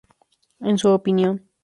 En su opinión.